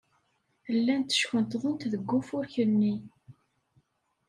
Llant ckunṭḍent deg ufurk-nni.